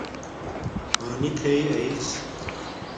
پانی تھیݵ آیس